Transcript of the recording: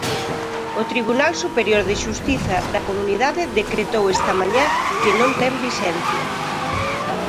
O Tribunal Superior de Xustiza da comunidade decretou esta mañá que non ten vixencia.